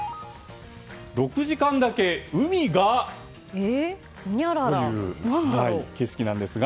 ６時間だけ海がという景色なんですが。